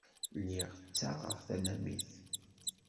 Lliɣ ttaɣeɣ tanamit.